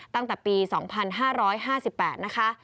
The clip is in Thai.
ตั้งแต่ปี๒๕๕๘นะคะ